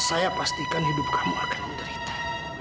saya pastikan hidup kamu akan menderita